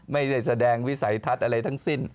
ไม่ได้แสดงวิสัยทัศน์อะไรทั้งสิ้น